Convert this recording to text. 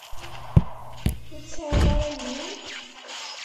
Ur tesɛiḍ ara yemma-m?